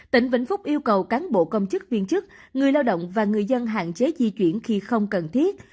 tỉnh vĩnh phúc yêu cầu cán bộ công chức viên chức người lao động và người dân hạn chế di chuyển khi không cần thiết